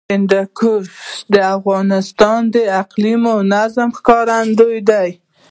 هندوکش د افغانستان د اقلیمي نظام ښکارندوی ده.